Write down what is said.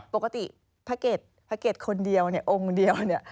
ปกติพระเกตคนเดียวเนี่ยองค์เดียวเนี่ย